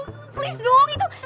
keren banget lo ya